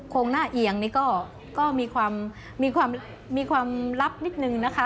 งหน้าเอียงนี่ก็มีความลับนิดนึงนะคะ